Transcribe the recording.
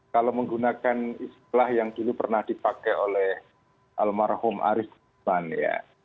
kalau menggunakan istilah yang dulu pernah dipakai oleh almarhum arisman ya